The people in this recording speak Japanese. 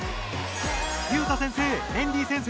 裕太先生メンディー先生